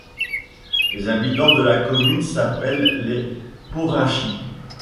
Les habitants de la commune s'appellent les Porrinchi.